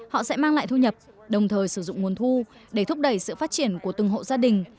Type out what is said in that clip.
họ sẽ mang lại thu nhập đồng thời sử dụng nguồn thu để thúc đẩy sự phát triển của từng hộ gia đình